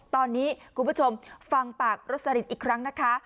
ตอนนี้คุณผู้ชมฟังปากรสลินอีกครั้งนะคะ